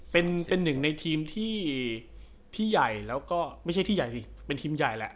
เป็นหนึ่งในทีมที่ใหญ่แล้วก็ไม่ใช่ที่ใหญ่สิเป็นทีมใหญ่แหละ